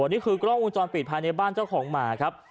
นี่คือกล้องวงจรปิดภายในบ้านเจ้าของหมาครับ